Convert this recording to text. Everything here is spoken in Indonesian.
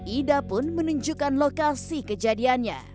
ida pun menunjukkan lokasi kejadiannya